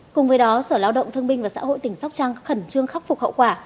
cùng với đó sở lao động thương binh và xã hội tỉnh sóc trăng khẩn trương khắc phục hậu quả